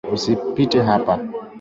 Usipite hapa.